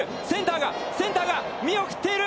センターが見送っている。